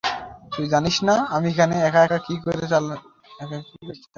তুই জানিস না - আমি এখানে একা একা কী করে চালাচ্ছি।